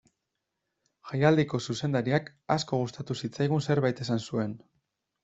Jaialdiko zuzendariak asko gustatu zitzaigun zerbait esan zuen.